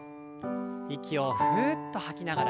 息をふうっと吐きながら。